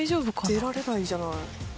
出られないじゃない。